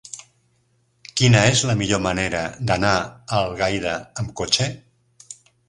Quina és la millor manera d'anar a Algaida amb cotxe?